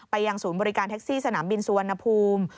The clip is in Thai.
ยังศูนย์บริการแท็กซี่สนามบินสุวรรณภูมิ